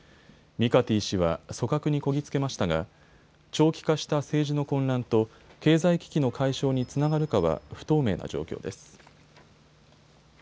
ミカティ氏は組閣にこぎ着けましたが長期化した政治の混乱と経済危機の解消につながるかは不透明な状況です。